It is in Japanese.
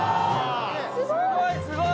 すごい！